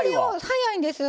早いんです。